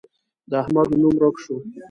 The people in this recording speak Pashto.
د احمد نوم ورک شو.